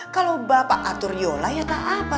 kalau bapak atur yola ya tak apa